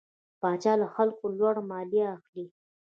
پاچا له خلکو نه لوړه ماليه اخلي .